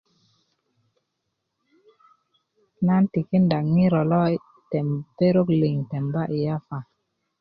nan tikinda ŋiro lo kotem perok liŋ temba yi yapa